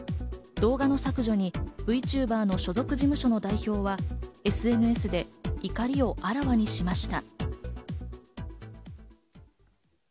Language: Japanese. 動画の削除にＶＴｕｂｅｒの所属事務所の代表は、ＳＮＳで怒りをあらわにしました。